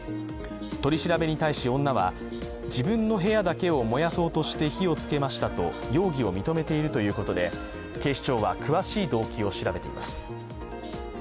取り調べに対し女は自分の部屋だけを燃やそうとして火をつけましたと容疑を認めているということで警視庁は詳しい動機を調べています。